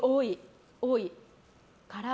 多い。